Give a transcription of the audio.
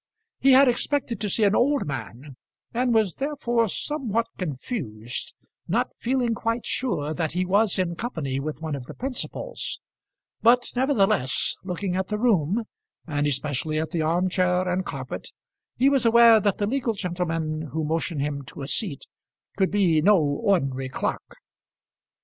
He had expected to see an old man, and was therefore somewhat confused, not feeling quite sure that he was in company with one of the principals; but nevertheless, looking at the room, and especially at the arm chair and carpet, he was aware that the legal gentleman who motioned him to a seat could be no ordinary clerk.